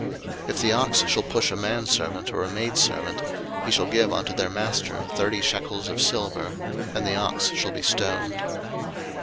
02:021:032 If the ox shall push a manservant or a maidservant; he shall give unto their master thirty shekels of silver, and the ox shall be stoned.